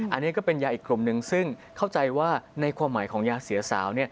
อันนี้ก็เป็นยาอีกกลุ่มหนึ่งซึ่งเข้าใจว่าในความหมายของยาเสียสาว